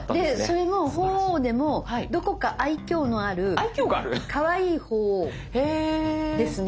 それも鳳凰でも「どこか愛きょうのあるかわいい鳳凰ですね」